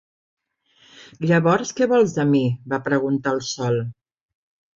"Llavors què vols de mi?", va preguntar el sol.